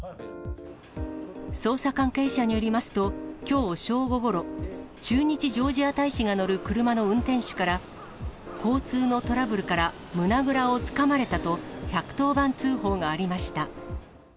捜査関係者によりますと、きょう正午ごろ、駐日ジョージア大使が乗る車の運転手から、交通のトラブルから、胸倉をつかまれたと１１０番通報がありました。